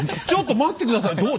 ちょっと待って下さい！